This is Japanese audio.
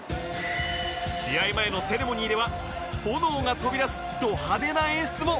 試合前のセレモニーでは炎が飛び出すド派手な演出も